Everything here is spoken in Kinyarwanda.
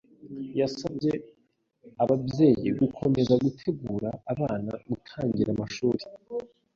Yasabye ababyeyi gukomeza gutegura abana gutangira amashuri,